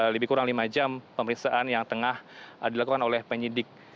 lebih kurang lima jam pemeriksaan yang tengah dilakukan oleh penyidik